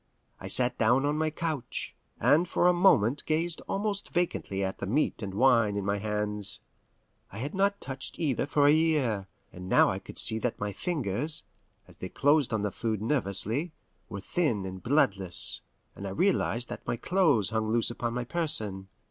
I sat down on my couch, and for a moment gazed almost vacantly at the meat and wine in my hands. I had not touched either for a year, and now I could see that my fingers, as they closed on the food nervously, were thin and bloodless, and I realized that my clothes hung loose upon my person.